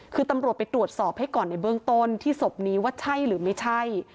คือตำรวจไปตรวจสอบให้ก่อนในเบื้องต้นที่ศพนี้ว่าใช่หรือไม่ใช่